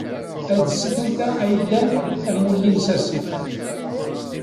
Adset anta ay ilan amulli-nnes ass-a!